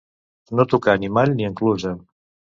No tocar ni mall ni enclusa.